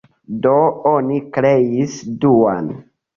Do, oni kreis duan.